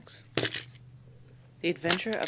X THE ADVENTURE OF MRS.